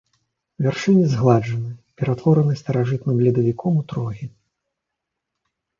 Вяршыні згладжаны, ператвораны старажытным ледавіком у трогі.